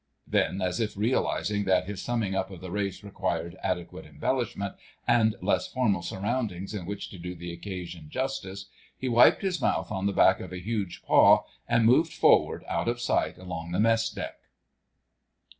Then, as if realising that his summing up of the race required adequate embellishment, and less formal surroundings in which to do the occasion justice, he wiped his mouth on the back of a huge paw and moved forward out of sight along the mess deck.